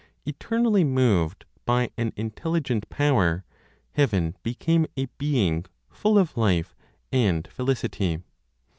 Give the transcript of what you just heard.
Eternally moved by an intelligent power, heaven became a being full of life and felicity.